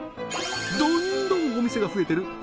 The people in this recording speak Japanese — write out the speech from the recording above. どんどんお店が増えてる